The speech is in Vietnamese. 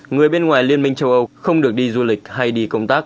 người bên ngoài liên minh châu âu không được đi du lịch hay đi công tác